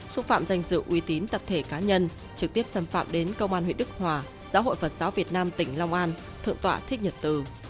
xúc phạm danh dự uy tín tập thể cá nhân trực tiếp xâm phạm đến công an huyện đức hòa giáo hội phật giáo việt nam tỉnh long an thượng tọa thích nhật từ